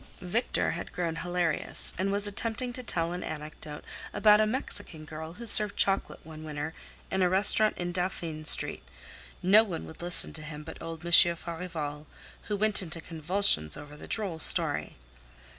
Victor had grown hilarious, and was attempting to tell an anecdote about a Mexican girl who served chocolate one winter in a restaurant in Dauphine Street. No one would listen to him but old Monsieur Farival, who went into convulsions over the droll story.